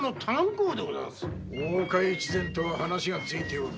大岡越前とは話がついておる。